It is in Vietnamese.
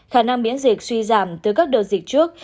khả năng miễn dịch suy giảm từ các đợt dịch trước